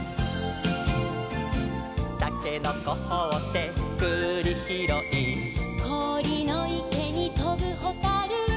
「たけのこほってくりひろい」「こおりのいけにとぶほたる」